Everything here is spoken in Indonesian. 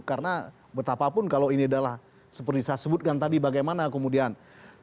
karena betapapun kalau ini adalah seperti saya sebutkan tadi bagaimana kemudian